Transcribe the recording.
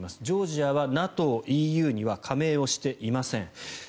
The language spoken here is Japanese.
ジョージアはＮＡＴＯ、ＥＵには加盟していません。